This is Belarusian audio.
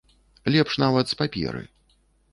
Лепш нават з паперы.